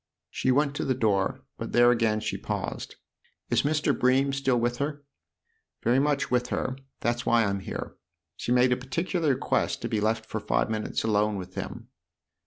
She went to the door, but there again she paused. " Is Mr. Bream still with her ?"" Very much with her that's why I'm here. She made a particular request to be left for five minutes alone with him."